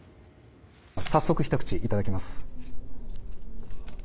早速、ひと口いただきます。